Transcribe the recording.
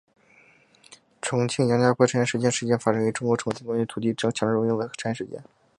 重庆杨家坪拆迁事件是一件发生在中国重庆市关于土地强制征用的拆迁事件。